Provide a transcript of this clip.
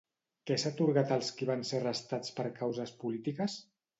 Què s'ha atorgat als qui van ser arrestats per causes polítiques?